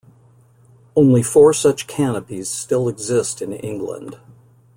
Only four such canopies still exist in England.